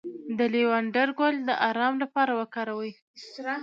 د لیوانډر ګل د ارام لپاره وکاروئ